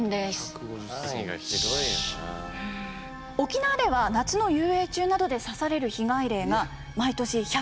沖縄では夏の遊泳中などで刺される被害例が毎年１００件から２００件。